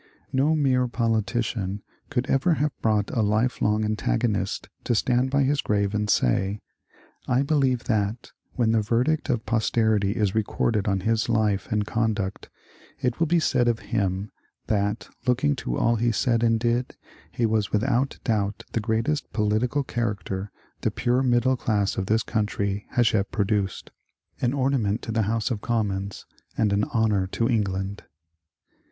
No mere politician could ever have brought a lifelong antago nist to stand by his grave and say, " I believe that, when the verdict of posterity is recorded on his life and conduct, it will PALMERSTON'S FUNERAL 86 be said of him that, looking to all he said and did, he was without doubt the greatest political character the pure middle class of this country has yet produced, — an ornament to the House of Commons and an honour to England."